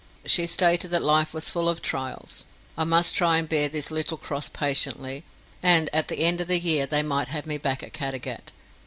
She stated that life was full of trials. I must try and bear this little cross patiently, and at the end of a year they might have me back at Caddagat.